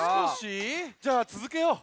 じゃあつづけよう。